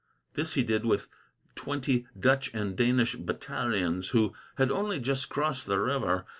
This he did, with twenty Dutch and Danish battalions, who had only just crossed the river.